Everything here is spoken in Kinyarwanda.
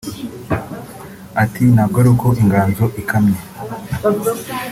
Ati “Ntabwo ari uko inganzo ikamye